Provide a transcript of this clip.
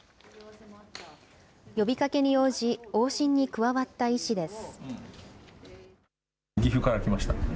呼びかけに応じ、往診に加わった医師です。